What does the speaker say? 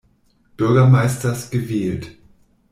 Bürgermeisters gewählt.